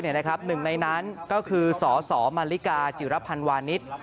สักพักหนึ่งในนั้นก็คือสสมริกาจิรัพพันวาณิชย์